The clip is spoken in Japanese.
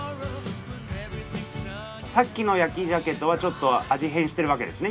さっきの焼き鮭とはちょっと味変してるわけですね。